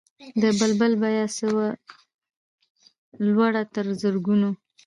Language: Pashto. د بلبل بیه سوه لوړه تر زرګونو